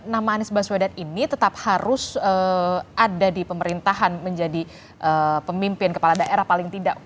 nama anies baswedan ini tetap harus ada di pemerintahan menjadi pemimpin kepala daerah paling tidak